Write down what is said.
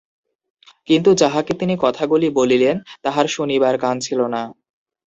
কিন্তু যাঁহাকে তিনি কথাগুলি বলিলেন, তাঁহার শুনিবার কান ছিল না।